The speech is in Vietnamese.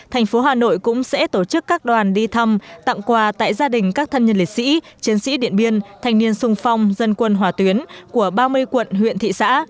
thành phố hà nội cũng sẽ tổ chức các đoàn đi thăm tặng quà tại gia đình các thân nhân liệt sĩ chiến sĩ điện biên thanh niên sung phong dân quân hỏa tuyến của ba mươi quận huyện thị xã